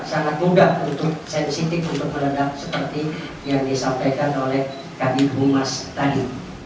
sangat mudah untuk sensitif untuk meledak seperti yang disampaikan oleh kami bumas tadi